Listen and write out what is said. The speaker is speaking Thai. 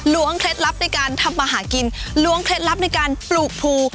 เคล็ดลับในการทำมาหากินล้วงเคล็ดลับในการปลูกภู